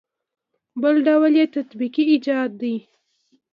بل ډول یې تطبیقي ایجاد دی.